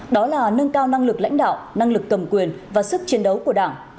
đó là nâng cao năng lực lãnh đạo năng lực cầm quyền và sức chiến đấu của đảng